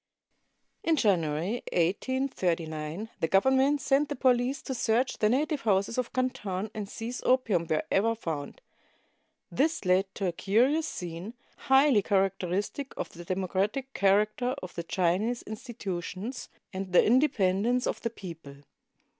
] In January, 1839, the Government sent the police to search the native houses of Canton and seize opium wherever found. This led to a curious scene, highly characteristic of the democratic character of the Chinese institutions and the independence of the people.